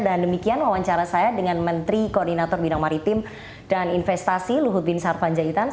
dan demikian wawancara saya dengan menteri koordinator bidang maritim dan investasi luhut bin sarfan jahitan